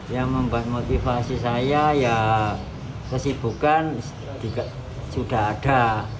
yang membuat motivasi saya ya kesibukan sudah ada